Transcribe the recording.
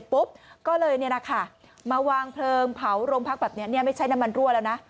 ปุ๊บก็เลยเนี่ยนะคะมาวางเพลิงเผารมภาคแบบเนี่ยไม่ใช่น้ำมันรั่วแล้วนะ